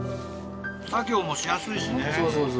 作業もしやすいしね。